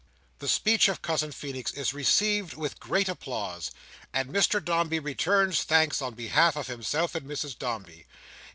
The speech of Cousin Feenix is received with great applause, and Mr Dombey returns thanks on behalf of himself and Mrs Dombey.